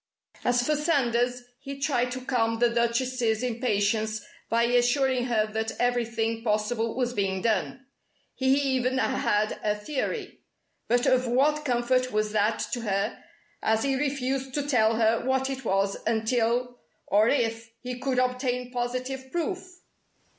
As for Sanders, he tried to calm the Duchess's impatience by assuring her that everything possible was being done. He even had a theory. But, of what comfort was that to her, as he refused to tell her what it was until or if he could obtain positive proof?